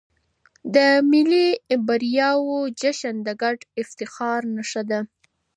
د ملي بریاوو جشن د ګډ افتخار نښه ده.